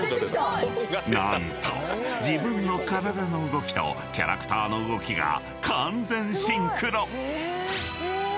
［何と自分の体の動きとキャラクターの動きが完全シンクロ！］